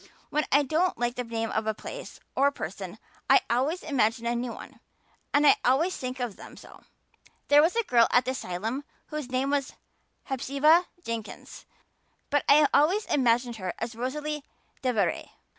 When I don't like the name of a place or a person I always imagine a new one and always think of them so. There was a girl at the asylum whose name was Hepzibah Jenkins, but I always imagined her as Rosalia DeVere.